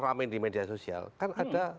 ramen di media sosial kan ada